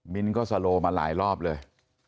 ก็สโลมาหลายรอบเลย